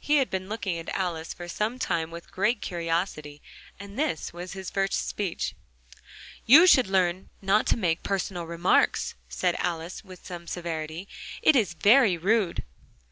He had been looking at Alice for some time with great curiosity, and this was his first speech. "You should learn not to make personal remarks," Alice said with some severity: "it's very rude."